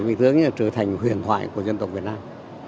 vị tướng trở thành huyền thoại của dân tộc việt nam